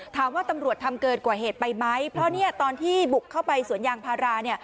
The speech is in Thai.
ตำรวจทำเกินกว่าเหตุไปไหมเพราะตอนที่บุกเข้าไปสวนยางพารา